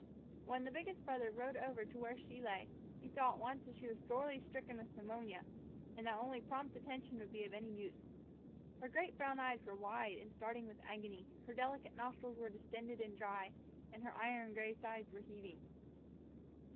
When the biggest brother rode over to where she lay, he saw at once that she was sorely stricken with pneumonia, and that only prompt attention would be of any use. Her great brown eyes were wide and starting with agony, her delicate nostrils were distended and dry, and her iron gray sides were heaving.